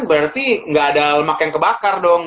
berarti nggak ada lemak yang kebakar dong